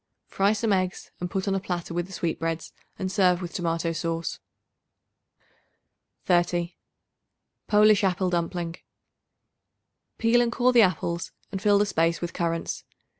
Fry some eggs and put on a platter with the sweetbreads and serve with tomato sauce. 30. Polish Apple Dumpling. Peel and core the apples and fill the space with currants.